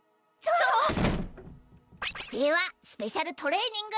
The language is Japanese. ちょっではスペシャルトレーニング！